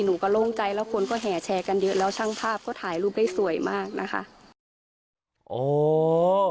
หนูก็โล่งใจแล้วคนก็แห่แชร์กันเยอะแล้วช่างภาพก็ถ่ายรูปได้สวยมากนะคะ